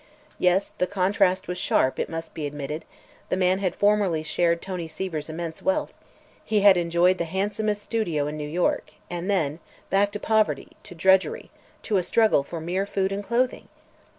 Yes, the contrast was sharp, it must be admitted; the man had formerly shared Tony Seaver's immense wealth; he had enjoyed the handsomest studio in New York; and then back to poverty, to drudgery, to a struggle for mere food and clothing!